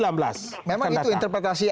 memang itu interpretasi